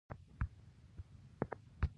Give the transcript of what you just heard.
هغوی په نازک منظر کې پر بل باندې ژمن شول.